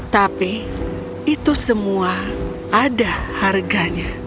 tapi itu semua ada harganya